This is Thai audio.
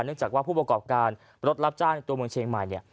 เนื่องจากว่าผู้ประกอบการรถรับจ้างตัวเมืองเชียงใหม่